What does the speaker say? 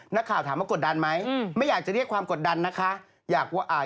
นักข่าวถามว่ากดดันไหมไม่อยากจะเรียกความกดดันนะคะ